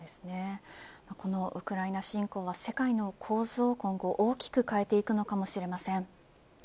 このウクライナ侵攻は世界の構図を今後、大きく変えていくのかもしれません。